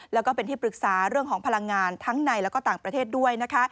แล้วก็เป็นที่ปรึกษาเรื่องของพลังงานทั้งในแล้วก็ต่างประเทศด้วยนะคะ